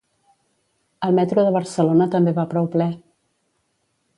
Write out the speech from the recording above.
El metro de Barcelona també va prou ple.